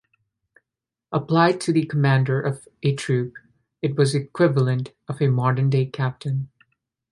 Applied to the commander of a troop, it was equivalent of a modern-day captain.